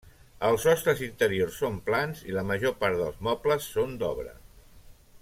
Els sostres interiors són plans i la major part dels mobles són d'obra.